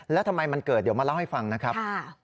แล้วทำไมมันเกิดเดี๋ยวมาเล่าให้ฟังนะครับ